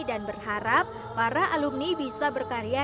dan berharap para alumni bisa berkarya